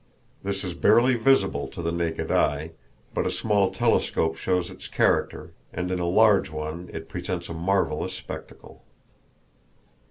This is barely visible to the naked eye, but a small telescope shows its character, and in a large one it presents a marvelous spectacle.